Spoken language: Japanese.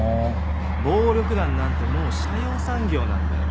暴力団なんてもう斜陽産業なんだよ。